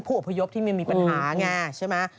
ผู้ตอบพระยศไม่มีปัญหา